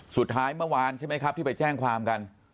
สุดท้ายเมื่อวานใช่ไหมครับที่ไปแจ้งความกัน